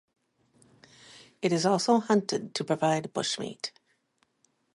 It is also hunted to provide bushmeat.